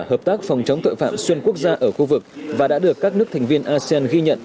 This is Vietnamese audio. hợp tác phòng chống tội phạm xuyên quốc gia ở khu vực và đã được các nước thành viên asean ghi nhận